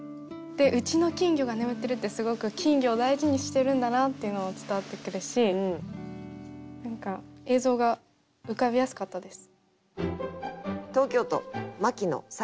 「うちの金魚が眠ってる」ってすごく金魚を大事にしてるんだなっていうのも伝わってくるし何か映像が浮かびやすかったです。